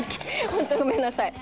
ホントごめんなさい。